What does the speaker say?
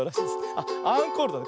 あっアンコールだね。